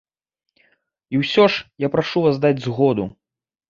І ўсё ж я прашу вас даць згоду.